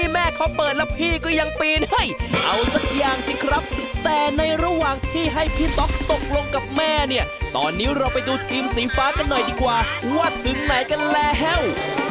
เฮ้ยเอาสักอย่างสิครับแต่ในระหว่างที่ให้พี่ต๊อกตกลงกับแม่เนี่ยตอนนี้เราไปดูทีมสีฟ้ากันหน่อยดีกว่าว่าถึงไหนกันแหลว